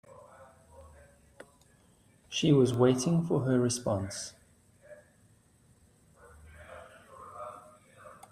She was waiting for her response.